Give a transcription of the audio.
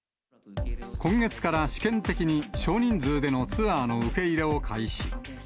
今月から試験的に少人数でのツアーの受け入れを開始。